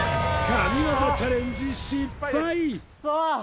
神業チャレンジ失敗クッソ！